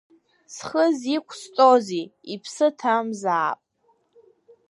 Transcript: Схы зиқәсҵози иԥсы ҭамзаап!